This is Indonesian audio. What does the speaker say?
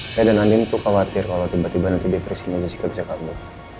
saya dan andin tuh khawatir kalau tiba tiba nanti depresinya jessica bisa kabur